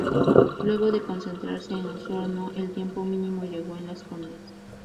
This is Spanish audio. Luego de concentrarse en Osorno, el tiempo mínimo llegó en Las Condes.